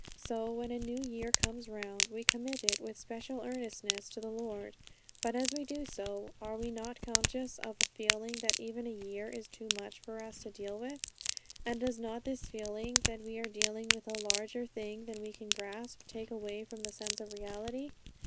So when a new year comes round, we commit it with special earnestness to the Lord. But as we do so, are we not conscious of a feeling that even a year is too much for us to deal with? And does not this feeling, that we are dealing with a larger thing than we can grasp, take away from the sense of reality?